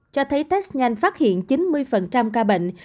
cho thấy test nhanh phát hiện chín mươi ca bệnh